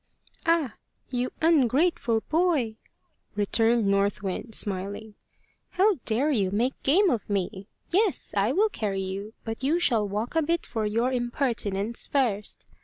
"Ah! you ungrateful boy," returned North Wind, smiling "how dare you make game of me? Yes, I will carry you, but you shall walk a bit for your impertinence first.